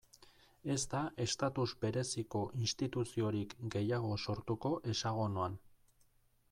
Ez da estatus bereziko instituziorik gehiago sortuko Hexagonoan.